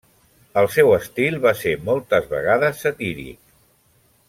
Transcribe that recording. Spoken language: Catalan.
El seu estil va ser moltes vegades satíric.